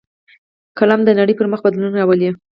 قلم د نړۍ پر مخ بدلون راولي